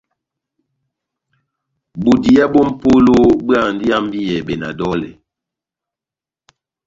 Bodiya bó mʼpola bóhándi ihambiyɛbɛ na dɔlɛ.